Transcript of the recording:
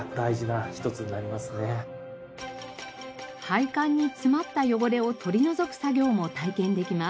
配管に詰まった汚れを取り除く作業も体験できます。